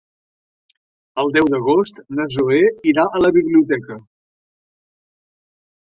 El deu d'agost na Zoè irà a la biblioteca.